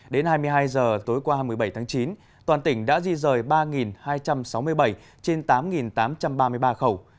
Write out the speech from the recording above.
đến hai mươi hai h tối qua hai mươi bảy tháng chín toàn tỉnh đã di rời ba hai trăm sáu mươi bảy trên tám tám trăm ba mươi ba khẩu